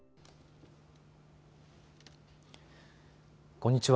こんにちは。